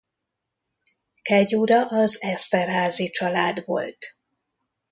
Kegyura az Esterházy család volt.